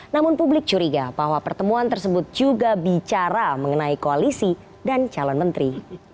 namun publik curiga bahwa pertemuan tersebut juga bicara mengenai koalisi dan calon menteri